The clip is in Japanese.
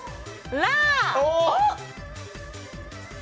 ラー！